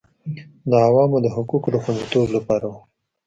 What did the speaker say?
د عوامو د حقوقو د خوندیتوب لپاره وه